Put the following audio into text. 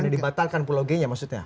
bukan dibatalkan pulau genya maksudnya